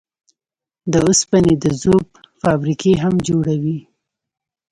د اوسپنې د ذوب فابريکې هم جوړوي.